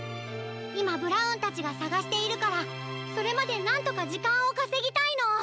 いまブラウンたちがさがしているからそれまでなんとかじかんをかせぎたいの。